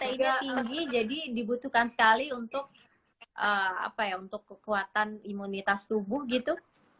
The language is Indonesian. soalnya katanya proteinnya tinggi jadi dibutuhkan sekali untuk kekuatan imunitas tubuh gitu